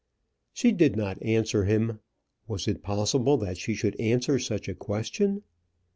She did not answer him. Was it possible that she should answer such a question?